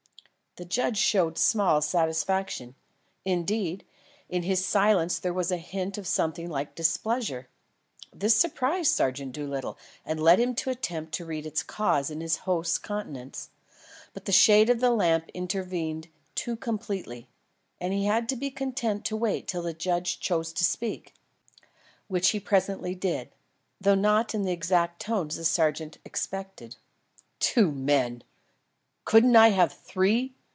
The judge showed small satisfaction. Indeed, in his silence there was the hint of something like displeasure. This surprised Sergeant Doolittle and led him to attempt to read its cause in his host's countenance. But the shade of the lamp intervened too completely, and he had to be content to wait till the judge chose to speak, which he presently did, though not in the exact tones the Sergeant expected. "Two men! Couldn't I have three?